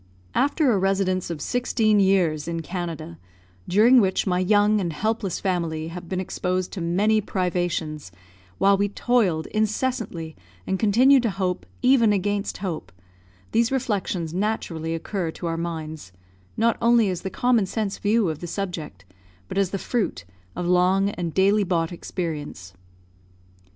After a residence of sixteen years in Canada, during which my young and helpless family have been exposed to many privations, while we toiled incessantly and continued to hope even against hope, these reflections naturally occur to our minds, not only as the common sense view of the subject, but as the fruit of long and daily bought experience.